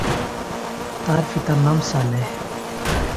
তার পিতার নাম সালেহ।